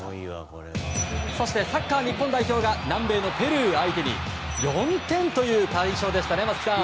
そして、サッカー日本代表が南米のペルー相手に４点という快勝でしたね松木さん。